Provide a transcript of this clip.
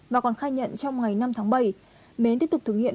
và còn khai nhận trong ngày năm tháng bảy mến tiếp tục thực hiện